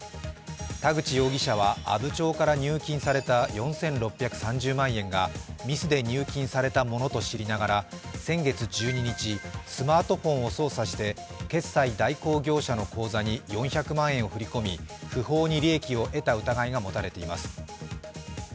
田口容疑者は阿武町から入金された４６３０万円がミスで入金されたものと知りながら、先月１２日スマートフォンを操作して決済代行業者の口座に４００万円を振り込み、不法に利益を得た疑いが持たれています。